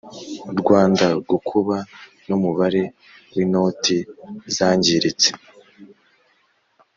Rwanda gukuba n umubare w inoti zangiritse